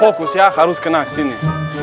fokus ya harus kena sini